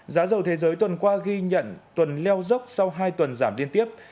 giá dầu thế giới tuần qua ghi nhận tuần leo dốc sau hai tuần giảm liên tiếp